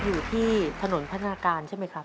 อยู่ที่ถนนพัฒนาการใช่ไหมครับ